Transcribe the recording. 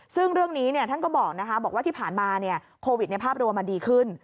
ซึ่งเรื่องนี้เนี่ยท่านก็บอกนะคะบอกว่าที่ผ่านมาเนี่ยโควิดในภาพรวมมันดีขึ้น